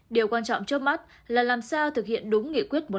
điều quan trọng trước mắt là làm sao thực hiện đúng nghị quyết một trăm hai mươi tám